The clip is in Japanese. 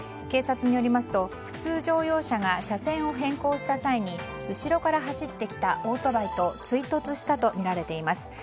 警察によりますと普通乗用車が車線を変更した際に後ろから走ってきたオートバイと追突したとみられています。